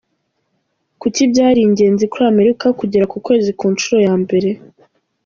Kuki byari ingenzi kuri Amerika kugera ku Kwezi ku nshuro ya mbere?.